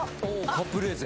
カプレーゼ。